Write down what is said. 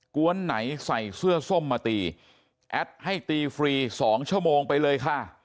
วนไหนใส่เสื้อส้มมาตีแอดให้ตีฟรี๒ชั่วโมงไปเลยค่ะ